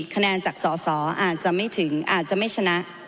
คะแนนจากสอสออาจจะไม่ถึงอาจจะไม่ชนะ